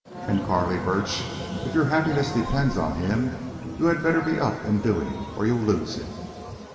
And, Carley Burch, if your happiness depends on him you had better be up and doing—or you'll lose him!"